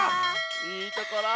いいところ。